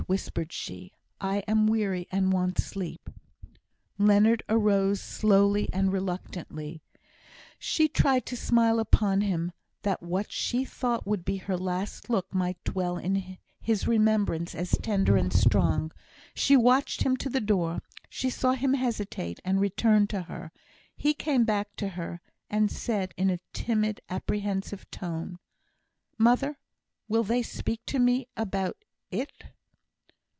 whispered she; "I am weary, and want sleep." Leonard arose slowly and reluctantly. She tried to smile upon him, that what she thought would be her last look might dwell in his remembrance as tender and strong; she watched him to the door; she saw him hesitate, and return to her. He came back to her, and said in a timid, apprehensive tone: "Mother will they speak to me about it?"